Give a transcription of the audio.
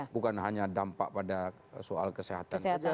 bukan hanya dampak pada soal kesehatan saja